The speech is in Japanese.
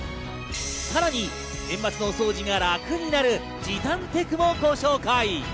さらに年末のお掃除が楽になる時短テクもご紹介。